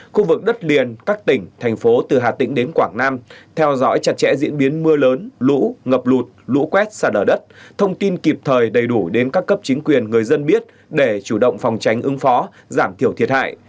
khu vực đất liền các tỉnh thành phố từ hà tĩnh đến quảng nam theo dõi chặt chẽ diễn biến mưa lớn lũ ngập lụt lũ quét xa đở đất thông tin kịp thời đầy đủ đến các cấp chính quyền người dân biết để chủ động phòng tránh ứng phó giảm thiểu thiệt hại